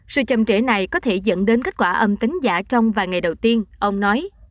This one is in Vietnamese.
sự chầm trễ này có thể dẫn đến kết quả âm tính giả trong vài ngày đầu tiên ông nói